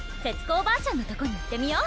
おばあちゃんのとこに行ってみよ